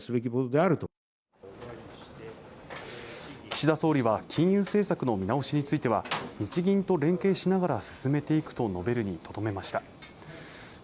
岸田総理は金融政策の見直しについては日銀と連携しながら進めていくと述べるにとどめました